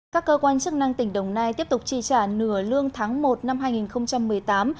các cơ quan chức năng tỉnh đồng nai tiếp tục tri trả nửa lương tháng một năm hai nghìn một mươi tám